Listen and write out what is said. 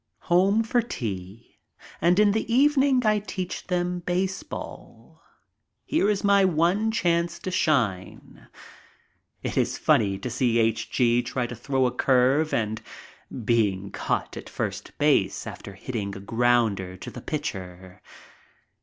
Home for tea, and in the evening I teach them baseball. Here is my one chance to shine. It is funny to see H. G. try to throw a curve and being caught at first base after hitting a grounder to the pitcher.